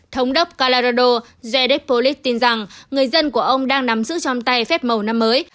thống đốc colorado jared polis tin rằng người dân của ông đang nắm sữ trong tay phép màu năm mới